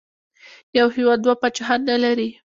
یو هېواد دوه پاچاهان نه لري.